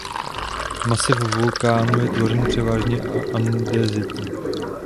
Masiv vulkánu je tvořen převážně andezity.